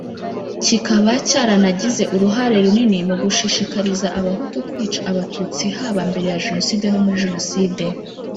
kikaba cyaranagize uruhare runini mu gushishikariza Abahutu kwica Abatutsi haba mbere ya Jenoside no muri Jenoside